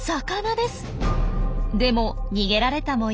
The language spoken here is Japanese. でも逃げられたもよう。